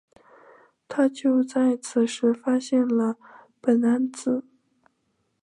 他就在此时发现了苯胺紫。